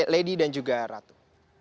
lady dan juga ratu